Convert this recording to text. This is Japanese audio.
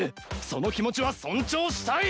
その気持ちは尊重したい！